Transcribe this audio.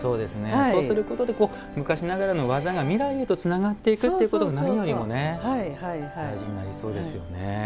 そうすることで昔ながらの技が未来へとつながっていくということが何よりも大事になりそうですよね。